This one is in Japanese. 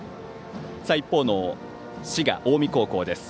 一方の滋賀・近江高校です。